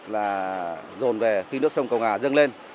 là rồn về khi nước sông cầu ngà dâng lên